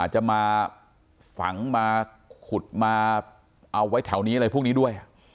จะมาฝังมาขุดมาเอาไว้แถวนี้อะไรพวกนี้ด้วย